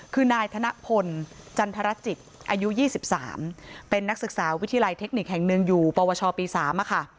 คือนายธนพลจันทรจิตอายุ๒๓เป็นนักศึกษาวิทยาลัยเทคนิคแห่งหนึ่งอยู่ปวชปี๓ค่ะ